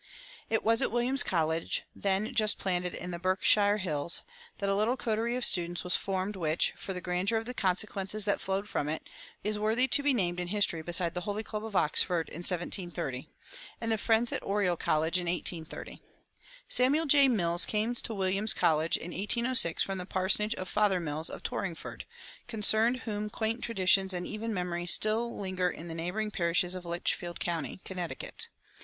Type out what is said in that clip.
It was at Williams College, then just planted in the Berkshire hills, that a little coterie of students was formed which, for the grandeur of the consequences that flowed from it, is worthy to be named in history beside the Holy Club of Oxford in 1730, and the friends at Oriel College in 1830. Samuel J. Mills came to Williams College in 1806 from the parsonage of "Father Mills" of Torringford, concerning whom quaint traditions and even memories still linger in the neighboring parishes of Litchfield County, Connecticut.